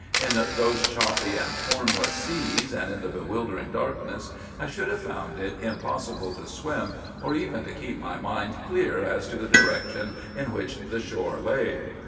In those choppy and formless seas and in the bewildering darkness, I should have found it impossible to swim, or even to keep my mind clear as to the direction in which the shore lay.